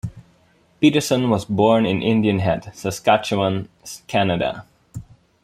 Peterson was born in Indian Head, Saskatchewan, Canada.